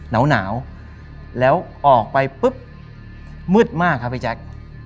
หนาวแล้วออกไปปุ๊บมืดมากครับพี่แจ๊ค